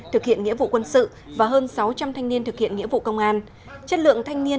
thực hiện nghĩa vụ quân sự và hơn sáu trăm linh thanh niên thực hiện nghĩa vụ công an chất lượng thanh niên